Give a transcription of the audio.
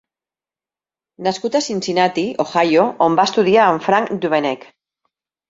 Nascut a Cincinnati, Ohio, on va estudiar amb Frank Duveneck.